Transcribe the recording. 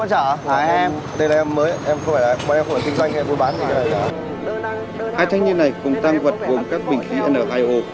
hai thanh niên này cùng tăng vật gồm các bình khí n hai o